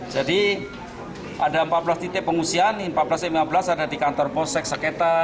jadi ada empat belas titik pengungsian empat belas dan lima belas ada di kantor possek saketa